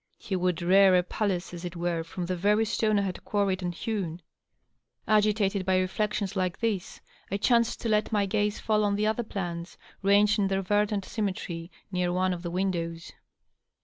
He would rear a palace, as it were, from the very stone I had quarried and hewn I Agitated by reflections like these, I chanced to let my gaze fall on the other plants, ranged in their verdant symmetry near one of the windows.